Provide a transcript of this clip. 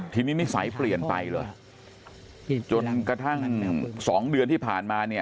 ทีนี้นิสัยเปลี่ยนไปเลยจนกระทั่ง๒เดือนที่ผ่านมาเนี่ย